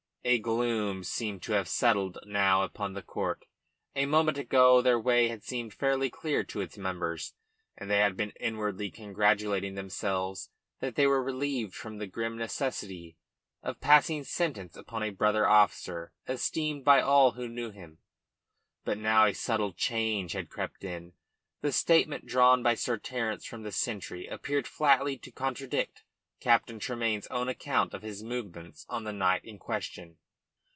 A gloom seemed to have settled now upon the court. A moment ago their way had seemed fairly clear to its members, and they had been inwardly congratulating themselves that they were relieved from the grim necessity of passing sentence upon a brother officer esteemed by all who knew him. But now a subtle change had crept in. The statement drawn by Sir Terence from the sentry appeared flatly to contradict Captain Tremayne's own account of his movements on the night in question.